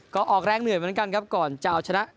ก็ออกแรงเหนื่อยเหมือนกันครับก่อนจะเอาชนะ